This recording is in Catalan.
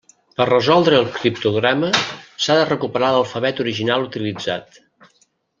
Per resoldre el criptograma, s'ha de recuperar l'alfabet original utilitzat.